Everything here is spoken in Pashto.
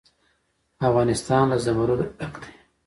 افغانستان له زمرد ډک دی.